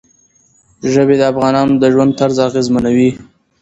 ژبې د افغانانو د ژوند طرز اغېزمنوي.